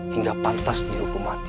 hingga pantas dihukum mati